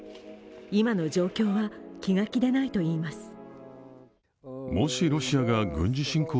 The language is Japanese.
今の状況は気が気でないといいます。